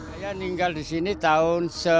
saya tinggal di sini tahun